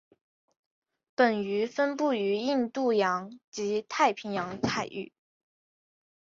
本鱼分布于印度洋及太平洋海域。